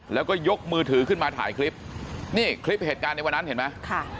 แล้วก็ยกมือถือขึ้นมาถ่ายคลิปนี่คลิปเหตุการณ์ในวันนั้นเห็นไหมค่ะ